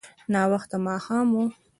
ناوخته ماښام و.